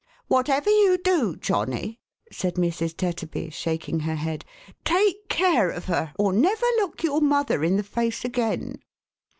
" Whatever you do, Johnny," said Mrs. Tetterby, shaking her head, "take care of her, or never look your mother in the face again."